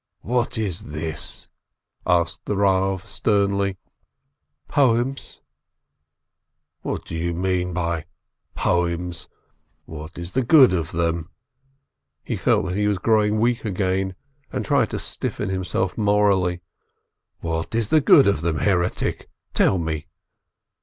"What is this ?" asked the Eav, sternly. "Poems !" "What do you mean by poems? What is the good of them?" He felt that he was growing weak again, and tried to stiffen himself morally. "What is the good of them, heretic, tell me!"